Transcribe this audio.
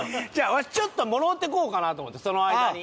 わしちょっともろうてこようかなと思ってその間に。